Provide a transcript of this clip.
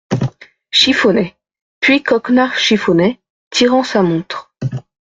Chiffonnet ; puis Coquenard Chiffonnet , tirant sa montre.